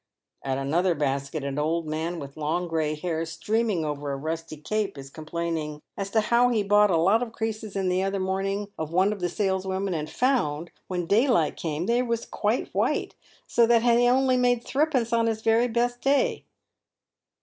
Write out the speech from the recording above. At another basket an old man, with long grey hair streaming over a rusty cape, is complaining " as to how he bought a lot of creases the other morning of one of the saleswomen, and found, when daylight came, they was quite white, so that he only made threepence on his very best day.